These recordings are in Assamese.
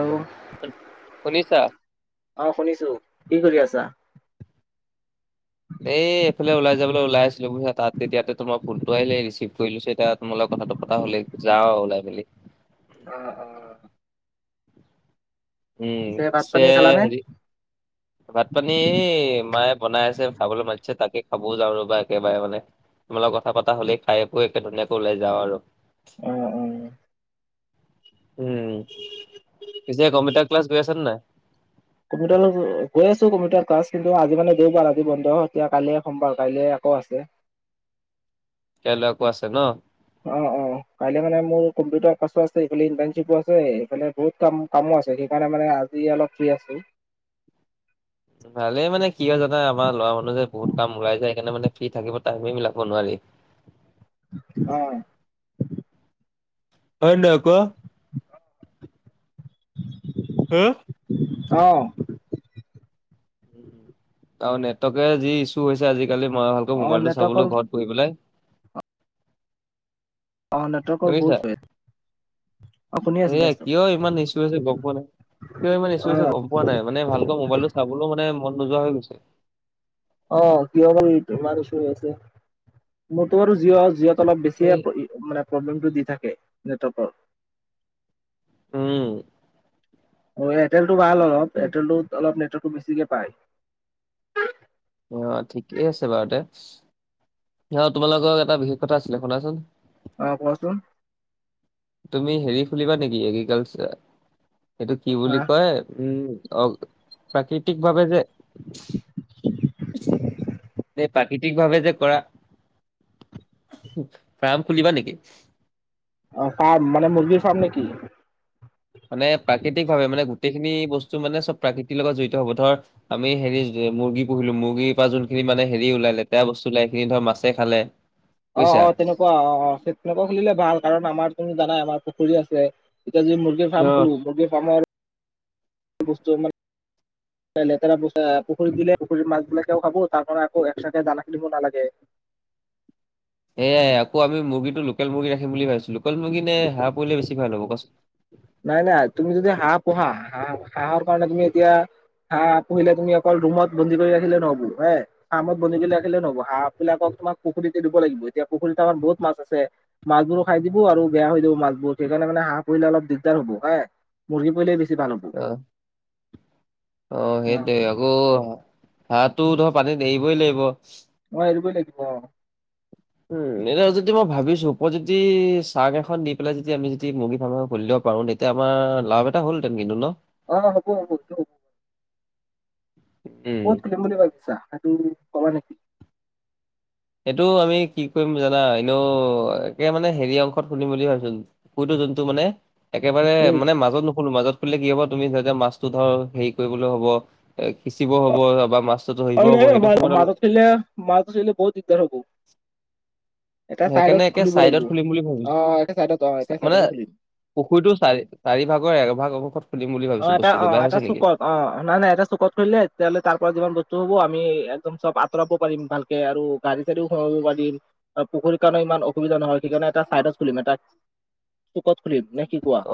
আৰু শুনিছা? অ', শুনিছো, কি কৰি আছা? এ এইফালে ওলাই যাবলৈ ওলাই আহিছিলো তাত তেতিয়া তোমাৰ ফোনটো আহিলে ৰিচিভ কৰিলৈছো তাত মোৰ লগত কথাটো পতা হ'লে যাওঁ আৰু ওলাই মেলি। [unintelligible] উম, [unintelligible] ভাত পিছে পানী খালা নে? হেৰি ভাত পানী এই, মায়ে বনাই আছে খাবলৈ মাতিছে তাকে খাবও যাওঁ ৰ'বা একেবাৰে মানে। মোৰ লগত কথা পতা হ'লে খাই বৈ একে ধুনীয়াকে ওলাই যাওঁ আৰু। উম, উম, উম, পিছে কম্পিউটাৰ ক্লাছ কৰি আছে নে নাই? কম্পিউটাৰ, গৈ আছো কম্পিউটাৰ ক্লাছ কিন্তু আজি মানে দেওবাৰ আজি বন্ধ হয় এতিয়া কাইলে সোমবাৰ কাইলৈ আকৌ আছে। কাইলৈ আকৌ আছে ন'? অ', অ, কাইলৈ মানে মোৰ কম্পিউটাৰ ক্লাছো আছে এইফালে ইণ্টাৰ্নশ্বিপো আছে এইফালে বহুত কাম কামো আছে সেইকাৰণে মানে আজি অলপ ফ্ৰী আছো। ভালে মানে কি হয় জানা, আমাৰ ল'ৰা মানুহ যে বহুত কাম উলাই যে সেইকাৰণে মানে ফ্ৰী থাকিব টাইমে মিলাব নোৱাৰি। অ', হয় নহয় ক? অ', আৰু নেটৱৰ্কে যি ইসু হৈছে আজিকালি মই ভালকৈ অ মোবাইলটো নেটৱৰ্কৰ চাবলৈ ঘৰত বহি পেলাই। অ', নেটৱৰ্কৰ শুনিছা বহুত [unintelligible] অ শুনি আছো শুনি এয়া, আছো কিয় ইমান [unintelligible] হৈছে গম পোৱা নাই। কিয় ইমান ইছু অ আছে গম পোৱা নাই মানে ভালকৈ মোবাইলটো চাবলৈও মানে মন নোযোৱা হৈ গৈছে৷ অ কিয় বা এইতো ইমান ইছু হৈ আছে মোৰতো বাৰু জিঅ' জিঅ' ত অলপ বেছি এই এপ মানে প্ৰব্লেমটো দি থাকে নেটৱৰ্কৰ৷ উম অ', এয়াৰটেলটো ভাল অলপ এয়াৰটেল অলপ নেটৱৰ্কতো বেছিকে পায়। অ', ঠিকেই আছে বাৰু দে, অ, তোমাৰ লগত এটা বিশেষ কথা আছিলে শুনাচোন। অ', কোৱাচোন? তুমি হেৰি খুলিবা নেকি এগ্ৰিকালচাৰ, সেইটো কি হা বুলি কয় উম, অ প্ৰাকৃতিক ভাৱে যে প্ৰাকৃতিক ভাৱে যে কৰা ফ্ৰাম খুলিবা নেকি? অ ফাৰ্ম মান মৰ্গীৰ ফাৰ্ম নে কি? মানে প্ৰাকৃতিক ভাৱে মানে গোটেইখিনি বস্তু মানে চব প্ৰাকৃতিৰ লগত জড়িত হ'ব ধৰা আমি হেৰি মুৰ্গী পুহিলো মুৰ্গীৰ পৰা যোনখিনি মানে হেৰি ওলাই লেতেৰা বস্তু ওলাই এই ধৰ মাছে খালে৷ বুজিছা অ-অ তেনেকু অ-অ তেনেকুৱা খুলিলে ভাল কাৰণ আমাৰ তুমি জানাই আমাৰ পুখুৰী আছে এতিয়া যি মুৰ অ ফ্ৰাম খোলো মুৰ্গী ফাৰ্মৰ বস্তু অকমান লেতেৰা পচা পুখুৰী দিলে পুখুৰীৰ মাছিলাকে খাব তাৰ কাৰণ আকৌ একচট্ৰাকে দানা খেল কিনিব নালাগে৷ এয়া আকৌ আমি মুৰ্গীটো লোকেল মুৰ্গী ৰাখিম বুলি ভাবিছো লোকেল মুৰ্গী নে হাহ পুহিলে বেছি ভাল হ'ব কোৱাচোন? নাই-নাই তুমি যদি হাঁহ পোহা হাঁহ-হাঁহ ৰ কাৰণে তুমি এতিয়া হাহ পহিলে তুমি অকল ৰুমত বন্দী কৰি ৰাখিলে নহ'বো হে৷ আৰামত বন্দি কৰি ৰাখিলে নহব হাঁবিলাকক তোমাক পুখুৰীত এৰিব লাগিব এতিয়া পুখুৰী ত আমাৰ বহুত মাছ আছে৷ মাছবোৰো খাই দিব আৰু বেয়া হৈ যাব মাছবোৰ সেইকাৰনে হাঁহ পহিলে অলপ দিগ দিগদাৰ হ'ব হা মুৰ্গী পৰিলে বেছি ভাল হ'ব৷ অ অ সেইটোৱে আকৌ হাঁহটো ধৰ পানীত এৰিবই লাগিব৷ অ এৰিবই লাগিব অ৷ উম এতিয়া যদি মই ভাবিছো উপত যদি চাঙ এখন দি পেলাই যদি আমি যদি মুৰ্গী ফাৰ্ম খুলিব পাৰো নেকি তেতিয়া আমাৰ লাভ এটা হ'লহতেন কিন্তু ন? অ হ'ব- সেটোও হব৷হ'ব উম ক'ত খুলিম বুলি ভাবিছা হেইতো কবানেকি? এইটো আমি কি কৰিম জানা এনেও একে মানে হেৰি অংশত শুনিম বুলি ভাবিছো৷ কতো জন্তু মানে একেবাৰে উম মানে মাজত নুখোলো মাজত খুলিলে কি হব তুমি যেতিয়া মাছো ধ হেৰি কৰিবলৈ হ'ব সিচিব হ'ব বা মাছ মাজত খুলিলে মাছবোৰ ধৰিলে বহুত দিগ্দাৰ হব৷ এটা সেইকাৰণে চাইডত একে খুলিব চাইডত লাগিব খুলিম বুলি ভাবিছো অ-অ একে চাইডত অ চা- মানে চাইডতে খুলিম৷ পুখুৰীটো চাৰি-চাৰি ভাগৰ এভাগ অংশত খুলিম বুলি অ ভাবিছো এটা অ বস্তুটো বেয়া এটা হৈছে নেকি? চুকত অ নাই-নাই এটা চুকত খুলিলে তেতিয়াহ'লে তাৰ পৰা যিমান বস্তু হ'ব আমি একদম চব আঁতৰাব পাৰিম ভালকে আৰু গাড়ী চাৰিও থব পাৰিম আৰু পুখুৰীৰ কাৰণে ইমান অসুবিধা নহয় সেইকাৰণে এটা ছাইডত খুলিম এটা চুকত খুলিম নে কি কোৱা? অ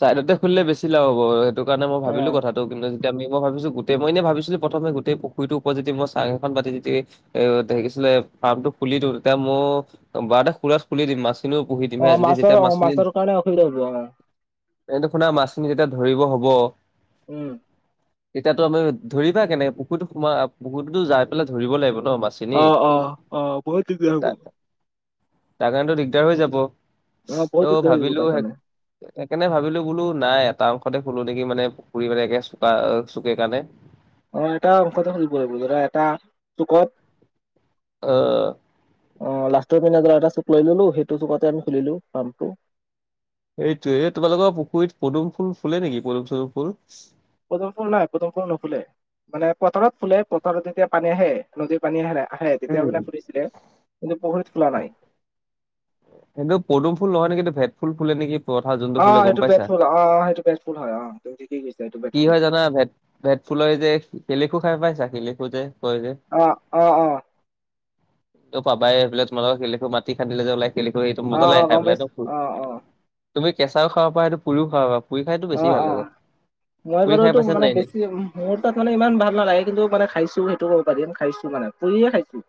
চাইদতে খুলিলে বেছি লাভ হ'ব সেইটো কাৰণে মই অ ভাবিলো কথা ত কিন্তু আমি মই ভিবিছো ই মইনে ভাবিছো প্ৰথমে গোতেই পুখুৰিতো ওপৰে মই চং এখন পাতি দেখিছিলে ফাৰ্মটো খুলি দিওঁ তেতিয়া মই বাৰতে খুলাত খুলি দিম মাছ খিনিও পুহি দিমহে যদি যেতিয়া মাছখিনি ৰবা [unintelligible] এনেখুনা মাছখিনি যেতিয়া ধৰিব হব উম তেতিয়াতো আমি ধৰিবা কেনেকে পুখুৰীতো সোমাই পুখুৰী যাই পেলাই ধৰিব লাগিব ন মাছ৷ ভিনি অ অ অ বহুত দিগদাৰ হ'ব তা তাৰ কাৰনেতো দিগদাৰ হৈ যাব৷ ধৰা পৌটিক ত' ধৰিব ভাবিলো তাৰ সে- কানে [unintelligible] সেইকাৰণে ভাবিলো বোলো নাই এটা অংশতে খুলো নেকি মানে পুখুৰী মানে একে চুকা চুকে কাণে। অ এটা অংশতে খুলিব লাগিব ধৰা এটা চুকত অ অ লাষ্টতৰ পিনে যাই এটা চুক লৈ ললো সেইটো চকতে আমি খুলিলো পাম্পটো৷ এইটোয়ে তোমালোকৰ পুখুৰীত পদুম ফুল ফুলে নেকি পদুম চদুম ফুল? পদুম ফুল নাই পদুম ফুল নুফুলে মানে পথাৰত ফুলে পথাৰত যেতিয়া পানী আহে নদীৰ পানী আহে-আহে তেতিয়া উম। মানে ফুৰিছিলে কিন্তু পুখুৰীত ফুলা নাই৷ এইটো পদুমফুল নহয় নেকি এইটো ভেট ফুল ফুলে নেকি? পথাৰত যোনটো অ ফুলে গম এইটো পাইছা? ভেটফুল অ সেইটো ভেটফুল হয় তই থিকেই কৈছা বেট কি ফুল। হয় জানা ভেট ভেট ফুলৰ যে শিলিখু খাই পাইছা শিলিখু যে কয় যে অ অ অ ত পাবাই সেইফালে তোমালোক শিলিখু মাটি খান্ডিলে যে ওলাই শিলিখু এইটো অ মজা লাগে অ খাই গম পেলাই পাইছো এদম অ অ তুমি কেঁচাও খাবা পাৰা সেইটো পুৰিও খাবা, পুৰি খাইটো অ বেছি ভাল অ। লাগে। মই পুৰি বাৰু খাই এইটো পাইছা নে মানে নাই এনে? বেছি মোৰ তাত মানে ইমান ভাল নালাগে কিন্তু মানে খাইছো সেইটো ক'ব পাৰিম খাইছো মানে পুৰিয়ে খাইছো।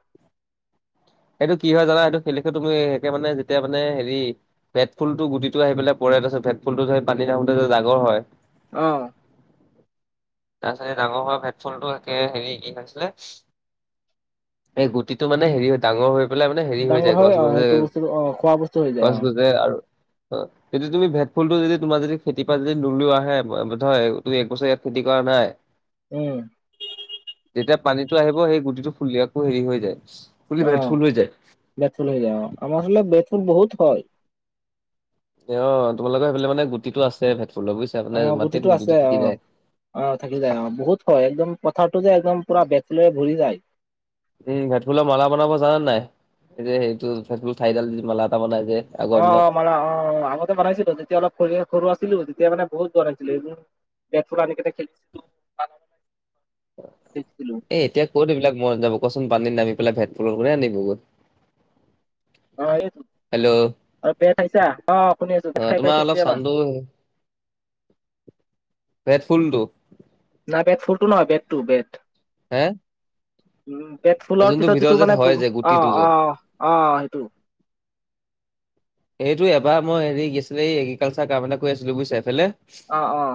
সেইটো কি হয় জানা সেইটো শিলিখুটো তুমি সেকে মানে যেতিয়া মানে হেৰি ভেট ফুলটো গুটিটো আহি পেলাই পৰে, তাৰপাছত ভেট ফুলতো ধৰে পানী থাকোতে যে ডাঙৰ হয়। অ তাৰপাছত এই ডাঙৰ হোৱা ভেটফুলটো একে হেৰি কি হৈছিলে এই গুটিটো মানে হেৰি ডাঙৰ হৈ পেলাই মানে হেৰি হৈ ডাঙৰ যায় হয় গছ অ গজে, সেইটো বস্তু অ খোৱা বস্তু হৈ যায় গছ অ গজে আৰু- অ সেইটো তুমি ভেট ফুলটো যদি তোমাৰ যদি খেতিৰ পা যদি নোলোৱাহে হয় ধৰ তুমি এক বছৰ ইয়াত খেতি কৰা নাই উম যেতিয়া পানীটো আহিব সেই গুটিটো ফুলি আকৌ হেৰি হৈ যায়, ফুলি ভেদ ফুল হৈ যায়। ভেটফুল হৈ যায় অ। আমাৰ ফালে ভেটফুল বহুত হয়। এ অ তোমালোকৰ সেইফালে মানে গুটিটো আছে ভেটফুলৰ বুজিছা, অ মানে মাটিত আছে গুটিটো অ। থাকি যায় অ থাকি যায় অ বহুত হয় একদম পথাৰতো যে একদম পুৰা ভেটফুলে ভৰি যায়। উম ভেটফুলৰ মালা বনাব জানা নাই? এই যে সেইটো ভেটফুল ঠাইডাল মালা এটা বনাই যে, আগৰ অ অ দিনত মালা অ অ বনাইছিলো তেতিয়া অলপ স সৰু আছিলো তেতিয়া মানে বহুত জৰ আছিল এইবোৰ ভেটফুল আনি কিনি খেলিছিলো [unintelligible] দেখিছিলো এ এতিয়া ক'ত এইবিলাক মন যাব কোৱাচোন পানীত নামি পেলাই ভেট ফুল কোনে আনিবগৈ। অ এই হেল্ল' আৰু পেট আহিছা অ শুনি আছো বেদ খাই পাইছে কেতিয়াবা উম ভেটফুলটো না ভেটফুলটো নহয় বেড টো বেড হে? উম এই পেটফুলৰ যোনটো পিছত ভিতৰত যিটো যে মানে হয় যে অ গুটিটো যে অ অ সেইটো এইটো এবাৰ মই হেৰি কি আছিলে এই এগ্ৰিকালচাৰ কাৰণে কৈ আছিলো বুজিছা এফালে অ অ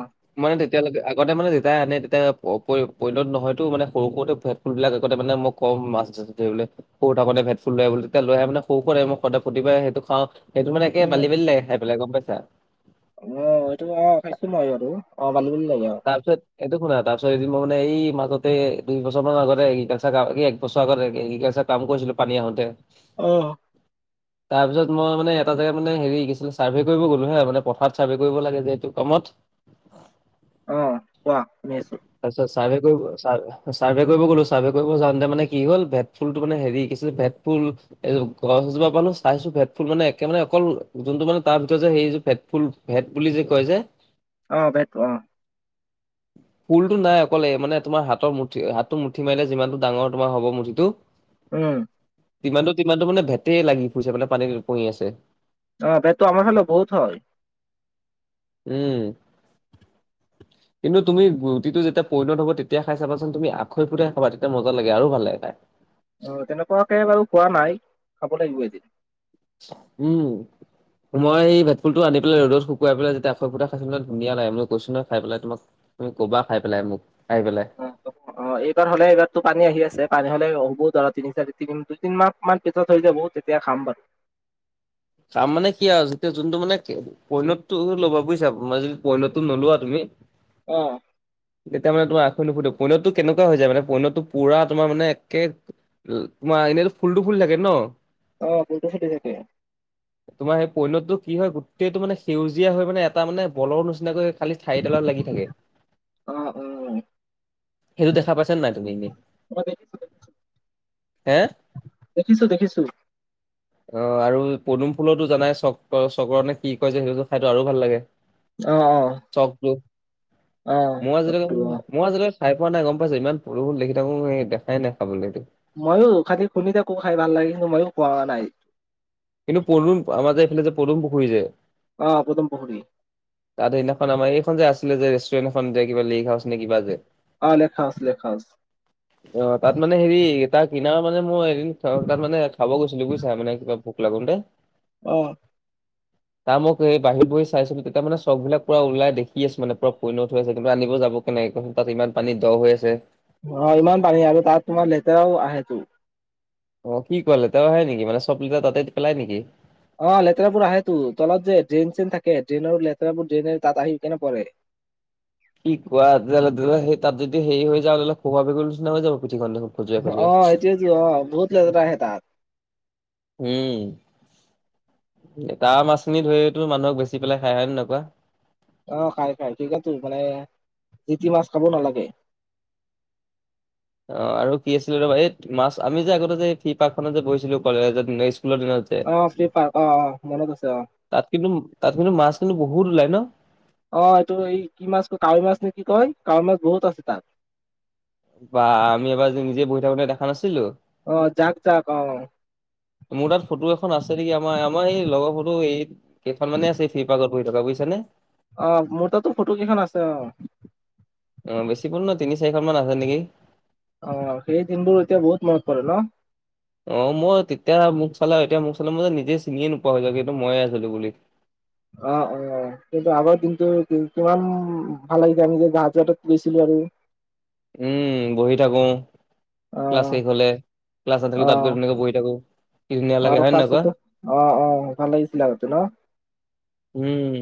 মানে তেতিয়ালৈকে আগতে মানে দেউতাই আনে তেতিয়া প প পৰিণত নহয়তো মানে সৰু সৰুতে ভেট ফুলবিলাক আগতে মানে মই কম মাছ ধৰিবলে সৰু থাকোতে ভেদ ফুল লৈ আহিব বুলি তেতিয়া লৈ আহে ম‌ই সৰু সোৰা টাইমত মোক সদায় প্ৰতিবাই আহে সেইটো খাওঁ। সেইটো মানে একে উম বালি বালি লাগে খাই পেলাই গম পাইছা। অ এইটো অ খাইছো মই আৰু অ বালি বালি লাগে অ তাৰপিছত এইটো শুনা তাৰপিছত এদিন মই মানে এই মাজতে দুই বছৰ মান আগতে এগ্ৰিকালচাৰ কাম বছৰ আগত এগ্ৰিকালচাৰ কাম কৰিছিলো পানী আহোতে অহ তাৰপিছত মই মানে এটা জেগাত মানে হেৰি কি আছিলে চাৰ্ভে কৰিব গলো হা, মানে পথাৰত চাৰ্ভে কৰিব লাগে যে এইটো কমত অ কোৱা শুনি আছো। তাচত চাৰে ক, চাৰ [unintelligible] চাৰ্ভে কৰিব গ'লো। চাৰ্ভে কৰিব যাওঁতে মানে কি হ'ল ভেট ফুলটো মানে হেৰি কি আছিলে ভেট ফুল এইযোৰ গছ এজোপা পালো চাইছো ভেট ফুল মানে একে মানে অকল যোনটো মানে তাৰ ভিতৰত যে সেইযোৰ ভেট ফুল ভেট বুলি যে কয় যে অ বেক অ৷ পুলটো নাই অকলে মানে তোমাৰ হাতৰ মুঠি হাতটো মুঠি মাৰিল যিমানটো ডাঙৰ তোমাৰ হ'ব মুঠিটো উম তিমানতটো - তিমানটো মানে ভেটেই লাগি ফুৰিছে মানে পানী উপঙি আছে। অ তাইটো আমাৰ হালে বহুত হয়। উম। [unintelligible] কিন্তু তুমি ৰুটিটো যেতিয়া পৰিণত হ'ব। তেতিয়া খাই চাবাচোন তুমি আখৈ ফুৰিয়াই খাবা তেতিয়া মজা লাগে আৰু ভাল লাগে খাই৷ অ তেনেকুৱাকে বাৰু খোৱা নাই, খাব লাগিব এদিন। উম। মই এই ভেটফুলটো আনি পাই ৰ'দত শুকাইেলাই যেয়া আখৈ ফুটাই খাইছিলো ন, ধুনীয়া লাগে ম কৈছ নহই খাই তোক তুমি ক'বা খাই পেলাই মোক। খাই পেলাই অ অ এইবাৰ হ'লে এইবাৰতো পানী আহি আছে। পানী হলে হ'ব ধৰা তিনি চাৰি তি দুই তিনি মাহ মান। থৈ যাব তেতিয়া খাম বাৰু। কাম মানে কি আৰু যেতিয়া যোনটো মানে পৈণতটো ল'বা‌ বুইছা, মই যদি পৈণতটো নোলোৱা তুমি অ। তেতিয়া মানে তোমাৰ আখৈ নুফুতে পৈনতটো কেনেকুৱা যায় মানে পৈণটো পুৰা তোমাৰ মানে একে তোমাৰ এনেইতো ফুলটো ফুল থাকে ন? অ ফুল টো পাতি থাকে। তোমাৰ সেই পৈণতটো কি হয় গোটেইটো মানে সেউজীয়া হৈ মানে এটা মানে বলৰ নিচিনাকৈ খালি চাৰিটালত লাগি থাকে। উম সেইটো দেখা পাইছা নাই তুমি এনেই? মই দেখিছো হে? দেখিছো-দেখিছো। অ আৰু পদুম ফুলৰতো জানাই চ চক্ৰ নে কি কয় যে সেইবোৰ খাইত আৰু ভাল লাগে। অ অ। চক তো, অ মই আজি লকে চবটো অ মই আজি লকে খাই পোৱা নাই গম পাইছো। ইমান সৰু-সৰু দেখি থাকো সেই দেখাই নাই খাবলৈটো। ময়ো খালি শুনি থাকো, খাই ভাল লাগে কিন্তু মইয়ো খোৱা নাই। কিন্তু পদুম আমাৰ যে এইফালে যে পদুম পুখুৰী যে অ পুদম পুখুৰী৷ তাত সেইদিনাখন আমাৰ এইখন যে আছিলে, যে ৰেষ্টুৰেণ্ট এখন যে কিবা লেক হাউচনে কিবা যে অ লেক হাউচ লেক হাউছ। অ তাত মানে হেৰি তাৰ কিনাৰ মানে মই দিন তাত মানে, খাব গৈছিলো বুইছা? মানে কিবা ভোক লাগোন তে। অ। তাৰ মই এই বাহিৰ বহি চাইছিলো তেতিয়া, মানে চফ বিলাক পোৰা ওলাই দেখি আছো মানে, পোৰা পৈণত হৈ আছে তে আনিব যাব কেনে তাত ইমান পানী দ হৈ আছে। অ ইমান পানী আৰু তাত তোমাৰ লেতেৰাও আহে তো। অ কি কলে, তেওঁ হয়ে নেকি মানে চব লিটা তাতে পেলাই নেকি? অ লেতেৰাবোৰ আহে তো। তলত যে ড্ৰেইন চেইন থাকে, ড্ৰেইনৰ লেতেৰাবোৰ ড্ৰেইনে তাত আহি কেনে পৰে। কি কোৱা তাত যদি সে হেৰি হৈ যায়, [unintelligible] হৈ যাব পিঠি খন। অ', এইটোৱেই যে অ, বহুত লেতেৰা আহে তাত। উম, তাৰ মাছখিনিত ধৰিয়েতো মানুহক বেছি পেলাই খাই, হয় নে নাই কোৱা? অ খাই-খাই। ঠিক আছে মানে, জিতি মাছ খাব নালাগে। অ আৰু কি আছিলে ৰবা এই মাছ আমি যে আগতে যে ফ্ৰি পাৰ্কখনত যে বহিছিলো কলেজত স্কুলৰ দিনত যে অ ফি পাৰ্ক অ-অ মনত আছে অ। তাত কিন্তু তাত কিন্তু মাছ কিন্তু বহুত ওলাই ন? অ', এইটো এই কি মাছ কয় কাৱৈ মাছ নে কি কয়, কাৱৈ মাছ বহুত আছে তাত। বা আমি এবাৰ যদি নিজে বহি থাকোতে দেখা নাছিলোঁ? অ', যাক যাক অ, মোৰ তাত ফটো এখন আছে নেকি, আমাৰ-আমাৰ এই লগৰ ফটো এই কেইখন মানে আছে ফ্ৰী পাৰ্কত বহি থকা, বুজিছাঁ নে? অ', মোৰ তাতো ফটো কেইখন আছে অ, অ', বেছি [unintelligible] তিনি চাৰিখন মান আছে নেকি? অ', সেই দিনবোৰ এতিয়া বহুত মনত পৰে ন'। অ', মই তেতিয়া মোক চালা এতিয়া মোক চালে মই যে নিজে চিনিয়ে নোপোৱা হৈ যায় কিন্তু মই আছিলো বুলি। অ', অ, কিন্তু আগাৰ দিনটো কিন্তু আম, কিমান ভাল লাগিছে আমি যে [unintelligible] কৈছিলো আৰু। উম, বহি থাকোঁ। অ ক্লাছ শেষ হলে, ক্লাছ নাথাকিলে তাত গৈ তেুনেকৈ বহি থাকোঁ। অ', আৰু ক্লাছোতো অ, অ, ভাল লাগিছিলে আগতে ন'? উম,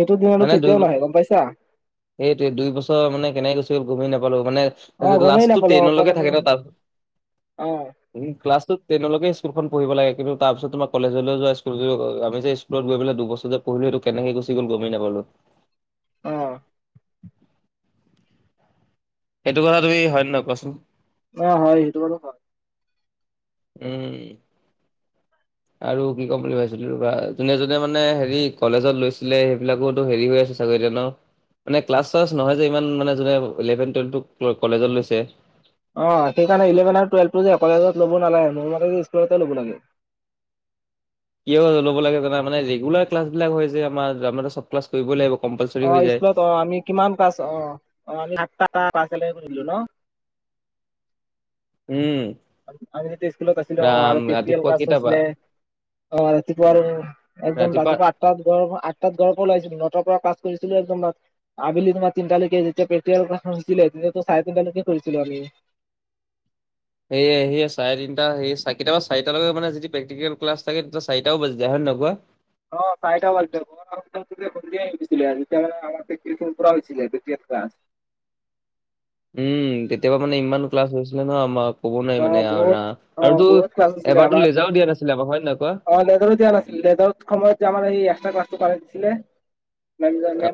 সেইটো দিন আৰু মানে দুই কেতিয়াও নাহে গম পাইছা? সেইটোৱে দুই বছৰ মানে কেনেকে গুচি গল গমে নাপালো মানে অ গমেই লাষ্টটো নাপালো অ টেইন'লৈকে পতকে থাকে ন' তাৰ অ উম, ক্লাছটো টেইন'লৈকে স্কুলখন পঢ়িব লাগে তাৰপিছত তোমাক কলেজলৈ যোৱা স্কুল [unintelligible] আমি যে [unintelligible] পেলাই দুবছৰ যে পঢ়িলো কেনেকে গুছি গ'ল গমেই নাপালো। অ', এইটো কথা তুমি হয় নহয় কোৱাচোন? অ', হয় সেইটো কথা হয়। উম, [unintelligible] আৰু কি ক'ম বুলি ভাবছিলো ৰ'বা, যোনে যোনে মানে হেৰি কলেজত লৈছিলে সেইবিলাকতো হেৰি হৈ আছে [unintelligible] মানে ক্লাছ চাছ নহয় যে, ইমান মানে যোনে ইলেভেন টুৱেলভটো কলেজত লৈছে। অ', সেইকাৰণে ইলেভেন আৰু টুৱেলভটো যে কলেজত ল'ব নালাগ মোৰ মতেটো স্কুলতে ল'ব লাগে। কিয় ল'ব লাগে জানা মানে ৰেগুলাৰ ক্লাচ বিলাক হয় যে আমাৰ আমাৰ সব ক্লাছ কৰিবই লাগিব অ কম্পালচৰি হৈ যায়। স্কুলত অ আমি কিমান পাছ, অ, অ, [unintelligible] উম, আমি যেতিয়া স্কুলত আছিলো অ, ৰাম আৰু প্ৰেক্টিকেল ৰাতিপুৱা ক্লাছ কেইটা পা হৈছিলে। অ', [unintelligible] একদম ৰাতিপুৱা আঠ তাত গৰভ আঠ তাত গৰম ওলাইছিলো ন'টাৰ পৰা কাজ কৰিছিলো একদমত। আবেলি ধৰা তিনটা লৈকে যেতিয়া [unintelligible] তেতিয়া ত' চাৰেতিনটা লৈকে ফুৰি ছিলো আমি। সেয়ে সেয়েই চাৰেতিনটা সে কেতিয়াবা চাৰিটা লৈকে মানে যদি প্ৰেকটিকেল ক্লাছ থাকে তেতিয়া চাৰিটাও বাজি যায়, হয় নে নহয় কোৱা? অ', চাৰিটা বাজি যায়। [unintelligible] উম, কেতিয়াবা মানে ইমান ক্লাছ হৈছিলে ন' আমাক। ক'ব নোৱাৰি অ মানে আৰু ৰা, বহুত অ আৰু তো বহুত ক্লাছ আছিলে এবাৰতো আমাৰ লেজাৰও দিয়া নাছিলে আমাক, হয় নে কোৱা? সময়তে আমাক এই এক্সট্ৰা ক্লাছটো কৰাই দিছিলে, [unintelligible]